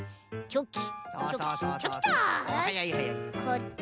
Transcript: チョキ！